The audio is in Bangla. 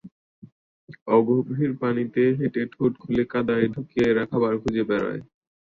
অগভীর পানিতে হেঁটে ঠোঁট খুলে কাদায় ঢুকিয়ে এরা খাবার খুঁজে বেড়ায়।